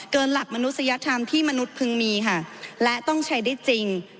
หลักมนุษยธรรมที่มนุษย์พึงมีค่ะและต้องใช้ได้จริง